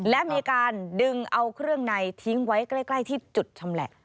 และมีการดึงเอาเครื่องในทิ้งไว้ใกล้ที่จุดชำแหละ